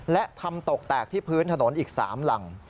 และทำตกแตกที่พื้นถนนอีก๓หลัง